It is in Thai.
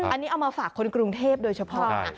อันนี้เอามาฝากคนกรุงเทพโดยเฉพาะ